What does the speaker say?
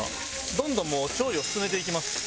どんどんもう調理を進めていきます。